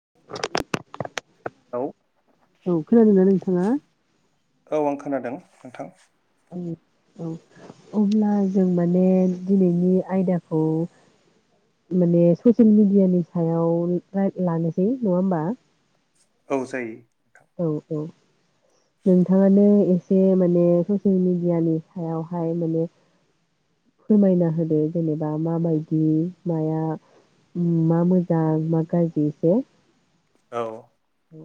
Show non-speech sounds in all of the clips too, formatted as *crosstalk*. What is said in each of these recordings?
*inaudible* औ औ खोनोनादों ना नोंथाङा औ आं खोनादों नोंथां औ अब्ला जों माने दिनैनि आयदाखौ माने ससियेल मिडियानि सायाव लानोसै नङा होमबा औ जायो। औ औ नोंथाङानो एसे माने ससियेल मेडियानि सायावहाय माने फोरमायना होदो जेनेबा माबायदि माया मा मोजां मा गाज्रि एसे औ औ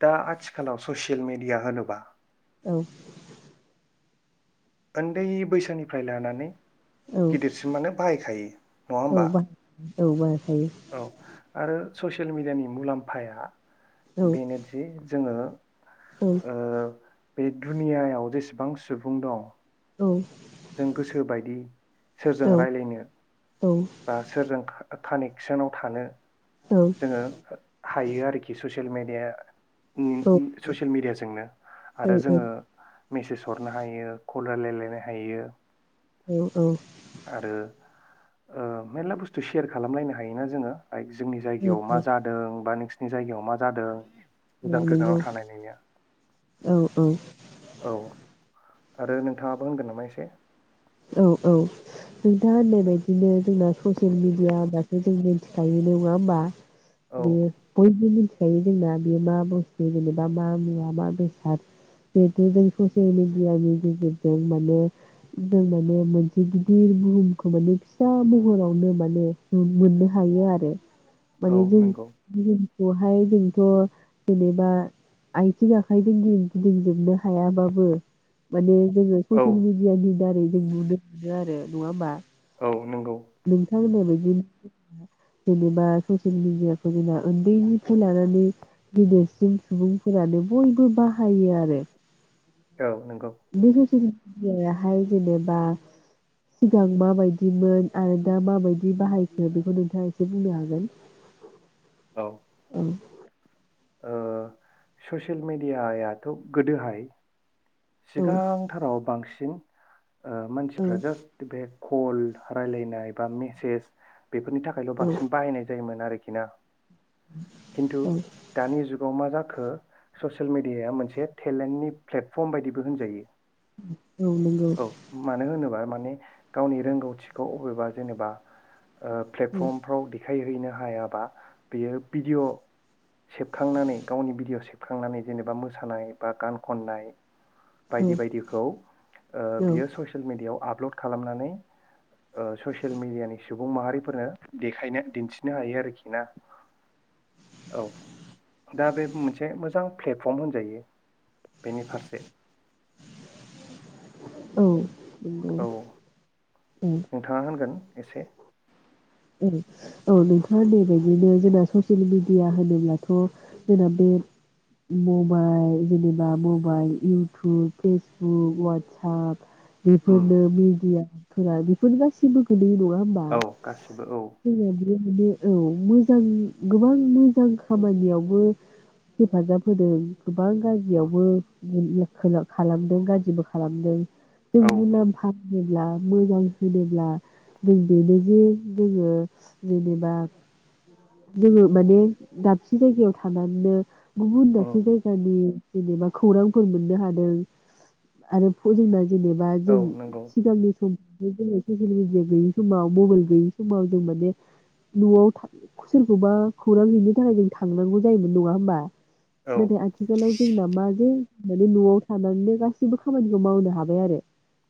दा आथिखालाव ससियेल मेडिया होनोबा औ ओन्दै बैसोनिफ्राय लानानै औ गिदिरसिम मानो बाहायखायो नङा औ होमबा बा औ बाहायखायो औ आरो। ससियेल मिडियानि मुलाम्फाया औ बेनो जि जोङो औ ओ बे दुनियायाव जेसेबां सुबुं दं औ जों गोसोबायदि सोरजों औ रायलायनो बा सोरजों कानेक्सनाव थानो जोङो हायो आरोखि ससे सेल मिडिया ससियेल मिडियाजोंनो आरो जोङो मेसेज हरनो हायो कल रायलायलायनो हायो औ औ मेर्ला बुस्थु सेयार खालामलायनो हायोना जोङो। जोंनि औ जायगायाव मा जादों बा नों जायगायाव मा जादों गोजान गोजानाव नंगौ थानायनिनो औ औ औ आरो नोंथाङाबो होनगोन नामा एसे औ औ नोंथाङा होननाय बायदिनो जोंना ससियेल मिडिया होनोमबासो जों मिथिखायोन नङा होमबा औ बे बयबो *unintelligible* जोंना बे मा बुस्थु जेनेबा मा मुवा मा बेसाद बेथ' जों ससेयेल मेडियानि गेजेरजों माने जों माने मोनसे गिदिर बुहुमखौ माने फिसा महरावनो माने मोननो हायो आरो औ मानि जों नंगौ बेवहाय जोंथ' जेनेबा आथिं आखाइजों गिदिं गिदिंजोबनो हायाबाबो माने जोङो औ ससियेल मिडियानि दारै जों नुनो मोनो आरो नङा होमा? नोंगौ *unintelligible* बायदि जेनेबा ससिल मिडियाखौ जों उन्दैखौ लानानै गेदेरसिन सुबुंफोरानो बयबो बाहायो आरो औ नंगौ *unintelligible* *unintelligible* जेनेबा सिगां माबायदिमोन आरो दा माबायदि बाहायखो बेखौ नोंथाङा एसे बुंनो हागोन औ औ ओ ससियेल मेडियायाथ' गोदोहाय औ सिगांथाराव बांसिन *unintelligible* ओ औ मानसिफ्रा जास्ट बे कल राय्लायनाय बा मेसेज बेफोरनि थाखायल' बांसिन बाहायनाय जायोमोन। आरोखि ना खिन्थु औ दानि जुगाव माजा खो ससियेल मिडिया मोनसे टेलेन्टनि प्लेक। फ्रम बायदिबो होनजायो। *unintelligible* औ मानो होनोबा माने गावनि रोंगौथिखौ अबेबा जेनेबा ओयो औ प्लेटफ्रमफ्राव देखायहैनो हायाबा बेयो भिडिय' सेबखांनानै गावनि भिडिय' सेबखांनानै जेनेबा मोसानाय बा गान खननाय। औ बायदि बायदिखौ ओ औ बेयो ससियेल मेडि याव आपल'ड खालामनानै ओ ससियेल मेडियानि सुबुं माहारिफोरनो देखायनो दिन्थिनो हायो आरोखि ना औ दा बे मोनसे मोजां प्लेटफर्म होनजायो बेनि फारसे। औ। नंगौ औ औ। नोंथाङा होनगोन एसे उम औ नोंथाङा बे बायदिनो जोंना ससियेल मेडिया होनोब्लाथ' जोंना बे मबाइल जेनेबा mobile YouTube Facebook WhatsApp um बेफोरनो मिडिया फुरा बेफोर गासिबो गोलैयो नङा? औ गासिबो। औ दिनैबो माने औ। मोजां गोबां मोजां खामानियावबो हेफाजाब होदों। गोबां उम गाज्रियावबो बुंला खोलो खालामदों गाज्रिबो खालामदों। औ जोंनि नाम फाब होनोब्ला मोजां होनोब्ला जों बेनो जे दोङो जेनेबा जोङो माने दाबसे जायगायाव थानानो गुबुन उम दाबसे जायगानि जेनेबा खौरांफोर मोननो हादों आरोथ' जोंनाय जेनेबा जों औ नंगौ थिगांनिफ *unintelligible* खौ सोरखौबा खौरां हैनो थाखाय जों थांनांगौ जायोमोन नङा होमबा? औ नाथाय आथिखालाव जों नामा जे माने न'आव थानानैनो गासैबो खामानिखौ मावनो हाबाय आरो।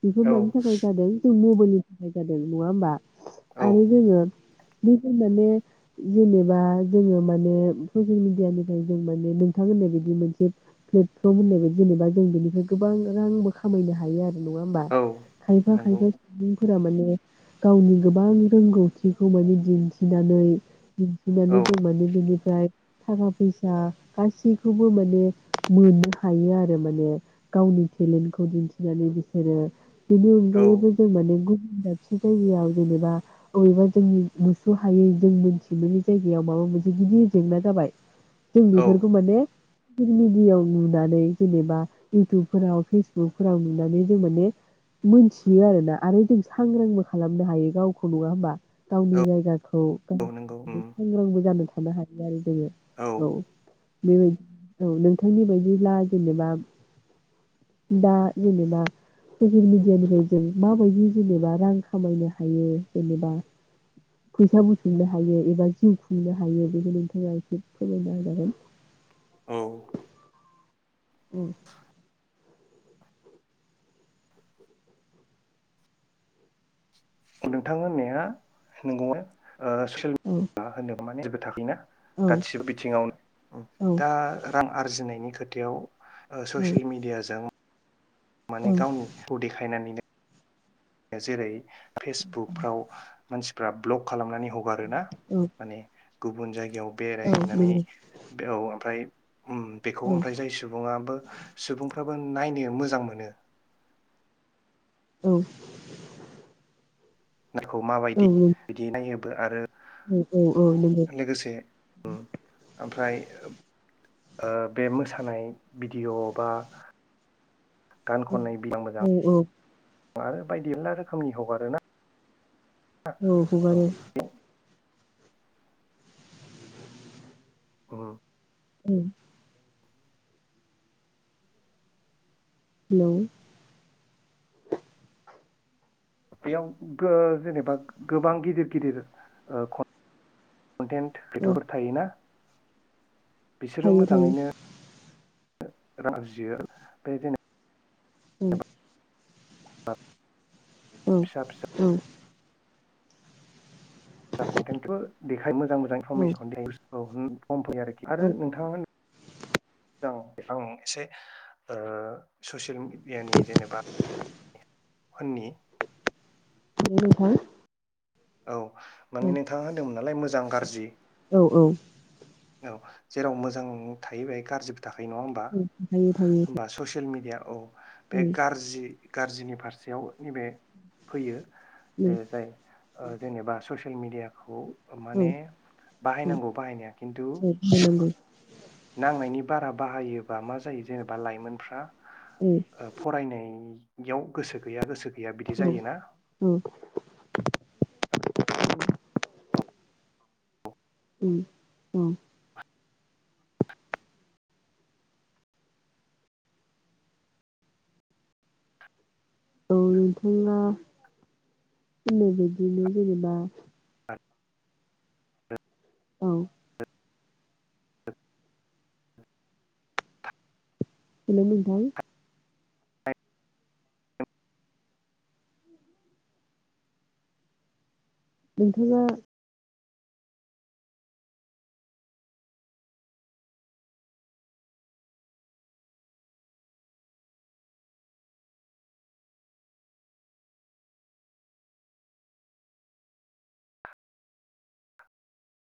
बेफोर औ मानि थाखाय जादों जों मब मोननि थाखाय जादों नङा होमबा? खुब आनि औ जोङो बैफोर माने जेनेबा जोङो माने ससियेल मिडियानिफ्राय जों माने नोंथां होननाय बादि मोनसे प्लेटफर्म होननाय बायदि जेनेबा जों बेनिफ्राय गोबां रांबो खामायनो हायो आरो। नङा होमबा औ खायफा नंगौ खायफा बिदि फोरा माने गावनि गोबां रोंगौथिखौ माने दिन्थिनानै दिन्थिनानै औ दं माने बिनिफ्राय थाखा फैसा गासैखौबो माने मोननो हायो आरो माने गावनि टेलेन्टखौ दिन्थिनानै बिसोरो। बेनि अनगायैबो जों माने गु दाबसे जायगायाव जेनेबा अबेबा जोंनि नुस'हायै जोंनि बिनि जायगायाव माबा मोनसे गिदिर जेंना जाबाय जों औ बेफोरखौ माने ससियेल मिडियायाव नुनानै जेनेबा इउटुबफोराव फेसबुकफोराव नुनानै जों माने मोनथियो आरोना आरो जों सांग्रांबो खालामनो हायो गावखौ नङा होमबा गावनि जायगा औ *unintelligible* नंगौ उम सांग्रांबो जानो माहारियारि जोङो औ। बे औ नोंथांनि बायदिब्ला जेनेबा दा जेनेबा ससियेल मिडियानिफ्राय जों माबायदि जेनेबा रां खामायनो हायो जेनेबा फैसा बुथुमनो हायो हायो एबा जिउ खुंनो हायो बेखौ नोंथाङा एसे फोरमायना होजागोन। औ उम। नोंथां होननाया नंगौना? ओ ससियेल औ मिडिया होनोब माने *unintelligible* औ औ गासिबो बिथिङावनो औ दा रां आरजिनायनि खथियाव औ ससियेल मिडियाजों नंगौ माने गावनि ह देखायनानै जेरै फेसबुकफ्राव मानसिफ्रा ब्लक खालामनानै हगारोना औ माने गुबुन जायगायाव औ बेरायहैनानै औ ओमफ्राय उम बेखौ ओमफ्राय जाय सुबुङाबो सुबुं फोराबो नायनो मोजां मोनो। औ। नखौ माबायदि बिदि नायोब आरो नंगौ लोगोसे उम ओमफ्राय ओ बे मोसानाय भिडिय' बा गान खननाय बिबां औ मोजां आरो बायदि एलला रोखोमनि हगारोना? औ हगारो। औ। औ। हेलौ, बेयाव गो जेनेबा गोबां गिदिर गिदिर ओ खन, कनटेन्ट औ बेथ' थायो ना? बिसोरो थायो थायो मोजाङैनो। राजियो बे जेनो। ओम। हा। औ औ दा कन्टेन्टखौ देखाय मोजां मोजां औ इनफरमेसन देखायो। औ हो खम फैयो आरोखि आरो औ नोंथाङा मोजां। फां एसे ओ ससियेल। मैयानि जेनेबा अननि। *unintelligible* औ। माने नोंथाङा होनदोंमोन नालाय मोजां गाज्रि। औ औ औ जेराव मोजां थायो बेहाय गाज्रि थाखायो नङा हम्बा, थायो थायो हम्बा थायो ससे ससियेल मिडिया औ। बे औ गारजि। गाज्रिनि फारसेयाव नैबे फैयो। जे जाय। ओ जेनेबासो। ससियेल मिडियाखौ। औ माने बाहायनांगौ बाहायनाया खिन्थु। होनांगौ औ नांनायनि बारा बाहायोबा मा जायो जेनेबा लाइमोनफ्रा, ओ फरायनाय। याव गोसो गैया गोसो गैया बिदि औ जायोना? औ *unintelligible* उम औ। औ नोंथाङा होननाय बायदिनो जेनेबा औ हेल' नोंथां। *inaudible* नोंथाङा *inaudible*